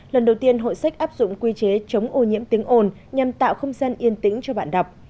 lần đầu tiên hội sách áp dụng quy chế chống ô nhiễm tiếng ồn nhằm tạo không gian yên tĩnh cho bạn đọc